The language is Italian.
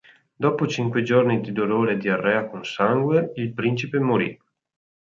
Dopo cinque giorni di dolore e diarrea con sangue, il principe morì.